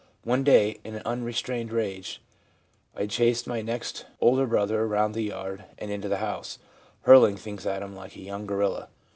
One day, in unrestrained rage, I chased my next older brother around the yard and into the house, hurling things at him like a young gorilla.